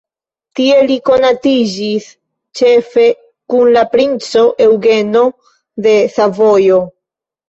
Tie li konatiĝis, ĉefe kun la princo Eŭgeno de Savojo.